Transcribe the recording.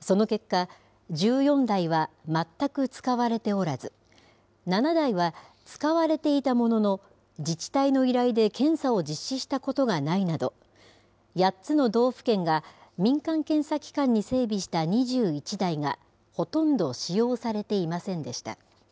その結果、１４台は全く使われておらず、７台は使われていたものの、自治体の依頼で検査を実施したことがないなど、８つの道府県が、民間検査機関に整備した２１台が、ほとんど使用されていませんでした。